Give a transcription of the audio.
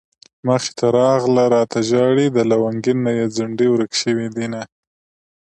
مخې ته راغله راته ژاړي د لونګين نه يې ځونډي ورک شوي دينه